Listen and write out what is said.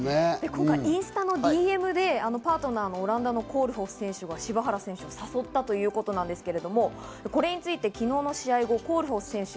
今回、インスタのＤＭでパートナーのオランダのコールホフ選手が柴原選手を誘ったということなんですけれども、それについて昨日の試合後、コールホフ選手